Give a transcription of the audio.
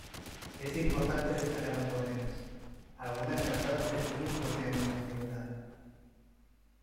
Es de importancia destacar las bodegas, algunas datadas de cientos de años de antigüedad.